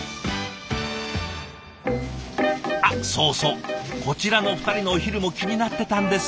あっそうそうこちらの二人のお昼も気になってたんです。